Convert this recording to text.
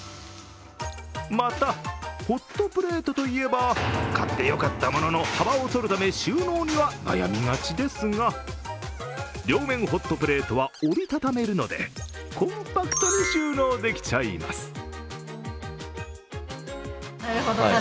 また、ホットプレートといえば、買ってよかったものの、幅をとるため収納には悩みがちですが、両面ホットプレートは折り畳めるのでコンパクトに収納できちゃいます。